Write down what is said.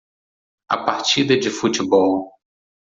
A partida de futebol.